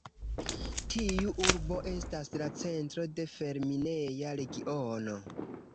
Tiu urbo estas la centro de fer-mineja regiono.